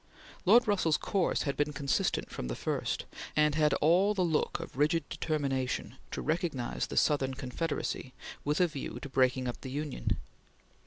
Lord Russell's course had been consistent from the first, and had all the look of rigid determination to recognize the Southern Confederacy "with a view" to breaking up the Union.